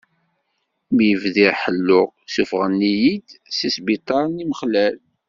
Mi bdiɣ ḥelluɣ, suffɣen-iyi-d seg sbiṭar n yimexlal.